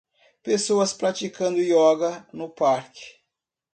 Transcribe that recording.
Pessoas praticando ioga no parque.